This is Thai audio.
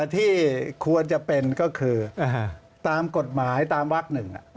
ที่ควรจะเป็นก็คือตามกฎหมายตามวักหนึ่ง